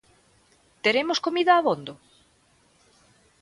Teremos comida abondo?